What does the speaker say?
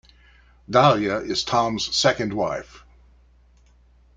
Dahlia is Tom's second wife.